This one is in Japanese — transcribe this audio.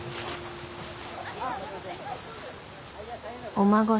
お孫さん